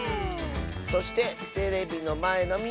そしてテレビのまえのみんな。